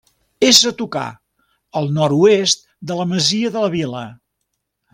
És a tocar, al nord-oest, de la masia de la Vila.